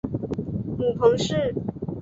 母彭氏。